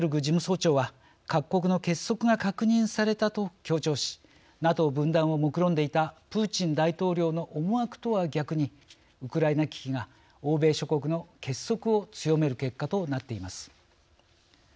事務総長は「各国の結束が確認された」と強調しＮＡＴＯ分断をもくろんでいたプーチン大統領の思惑とは逆にウクライナ危機が欧米諸国の結束を強める結果となっています。